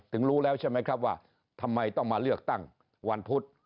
รู้แล้วใช่ไหมครับว่าทำไมต้องมาเลือกตั้งวันพุธ